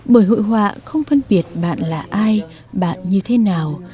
bởi hội họa không phân biệt bạn là ai bạn như thế nào